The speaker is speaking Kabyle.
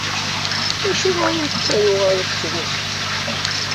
Acuɣer ur ttaruɣ ara s trusit?